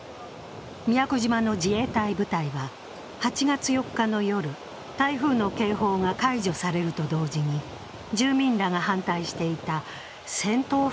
宮古島の自衛隊部隊は８月４日の夜、台風の警報が解除されると同時に住民らが反対していた戦闘服